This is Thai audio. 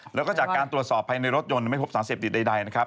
แล้วก็จากการตรวจสอบภายในรถยนต์ไม่พบสารเสพติดใดนะครับ